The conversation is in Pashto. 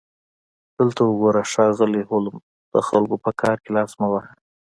دلته وګوره ښاغلی هولمز د خلکو په کار کې لاس مه وهه